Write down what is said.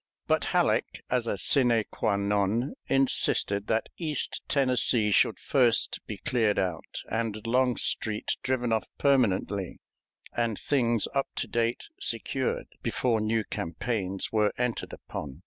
But Halleck, as a sine qua non, insisted that East Tennessee should first be cleared out and Longstreet driven off permanently and things up to date secured, before new campaigns were entered upon.